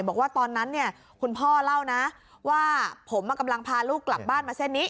บอกว่าตอนนั้นเนี่ยคุณพ่อเล่านะว่าผมกำลังพาลูกกลับบ้านมาเส้นนี้